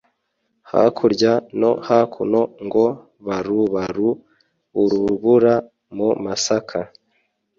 Hakurya no hakuno ngo barubaru-Urubura mu masaka.